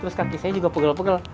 terus kaki saya juga pegel pegel